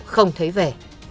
không thấy về